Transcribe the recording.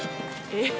えっ？